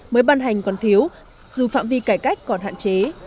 mới ban hành còn thiếu dù phạm vi cải cách còn hạn chế